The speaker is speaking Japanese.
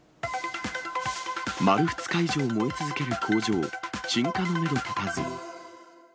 丸２日以上燃え続ける工場、鎮火のメド立たず。